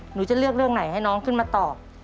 หนูจะเลือกเรื่องไหนให้น้องขึ้นมาตอบ